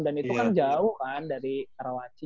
itu kan jauh kan dari karawaci